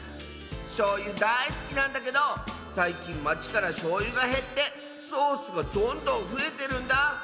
しょうゆだいすきなんだけどさいきんまちからしょうゆがへってソースがどんどんふえてるんだ！